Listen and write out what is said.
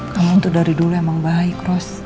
kamu untuk dari dulu emang baik ros